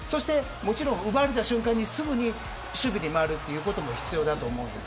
奪われた瞬間にすぐに守備に回ることも必要だと思います。